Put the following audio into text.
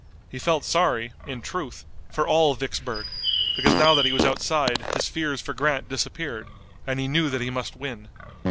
He felt sorry, in truth, for all Vicksburg, because now that he was outside his fears for Grant disappeared, and he knew that he must win.